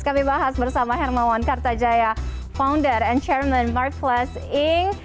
kami bahas bersama hermawan kartajaya founder and chairman mark plus inc